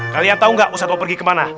kalian tahu nggak usah mau pergi kemana